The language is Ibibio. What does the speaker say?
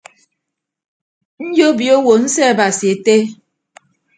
Nyobio owo nseabasi ette.